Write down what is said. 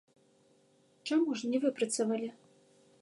Чаму ж не выпрацавалі?